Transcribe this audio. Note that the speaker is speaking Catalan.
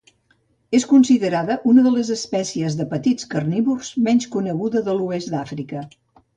És considerada una les espècies de petits carnívors menys coneguda de l'oest d'Àfrica.